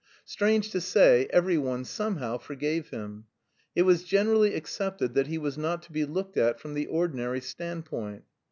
Strange to say, every one, somehow, forgave him. It was generally accepted that he was not to be looked at from the ordinary standpoint.